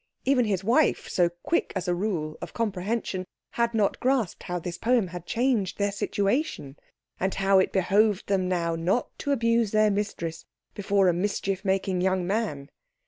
Even his wife, so quick as a rule of comprehension, had not grasped how this poem had changed their situation, and how it behoved them now not to abuse their mistress before a mischief making young man.